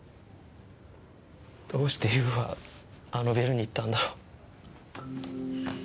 どうして優はあのビルに行ったんだろう。